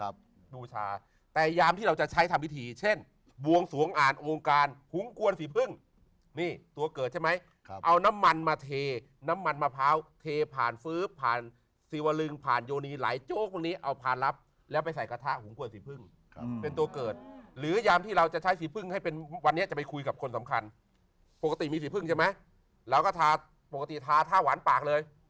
แบ่งบวงสวงอ่านโงงการหุงกวนสิบพึ่งนี่ตัวเกิดใช่ไหมเอาน้ำมันมาเทน้ำมันมะพร้าวเทผ่านฟื้มผ่านสิวรึงผ่านโยนีไหลโจ๊กนี้เอาผ่านลับแล้วไปใส่กระถาหุงกวนสิบพึ่งเป็นตัวเกิดหรือยามที่เราจะใช้สิบพึ่งให้เป็นวันนี้จะไปคุยกับคนสำคัญปกติมีสิบพึ่งใช่ไหมแล้วก็ทาปกติทาทาหวานปาก